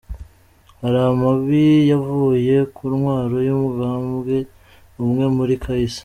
"Hari amabi yavuye ku ntwaro y'umugambwe umwe muri kahise.